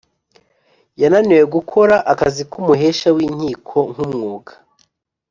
yananiwe gukora akazi k’umuhesha w’inkiko nk’umwuga.